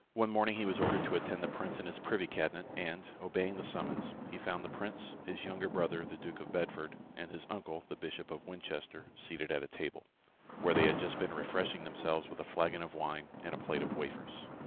One morning he was ordered to attend the Prince in his privy cabinet, and, obeying the summons, he found the Prince, his younger brother, the Duke of Bedford, and his uncle, the Bishop of Winchester, seated at a table, where they had just been refreshing themselves with a flagon of wine and a plate of wafers.